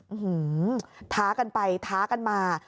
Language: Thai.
อื้อหือท้ากันไปท้ากันมา